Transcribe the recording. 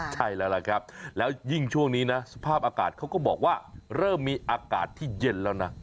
ใช่แล้วล่ะครับแล้วยิ่งช่วงนี้นะสภาพอากาศเขาก็บอกว่าเริ่มมีอากาศที่เย็นแล้วนะ